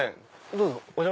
どうぞ。